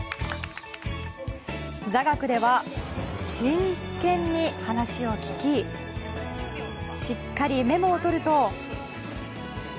座学では真剣に話を聞きしっかりメモをとると。